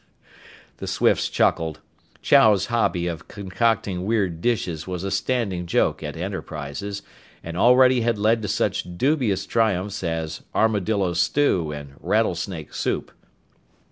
The Swifts chuckled. Chow's hobby of concocting weird dishes was a standing joke at Enterprises, and already had led to such dubious triumphs as armadillo stew and rattlesnake soup.